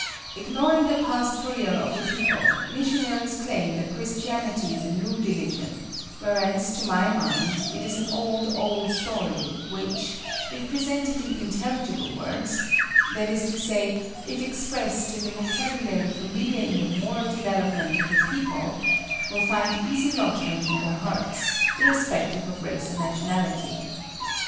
Ignoring the past career of a people, missionaries claim that Christianity is a new religion, whereas, to my mind, it is an "old, old story," which, if presented in intelligible words,—that is to say, if expressed in the vocabulary familiar in the moral development of a people—will find easy lodgment in their hearts, irrespective of race or nationality.